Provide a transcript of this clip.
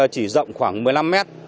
chỉ rộng khoảng một mươi năm mét